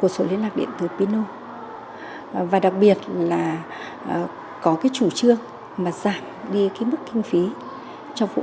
cổ số liên lạc điện tử pin ô và đặc biệt là có cái chủ trương mà giảm đi cái mức kinh phí cho phụ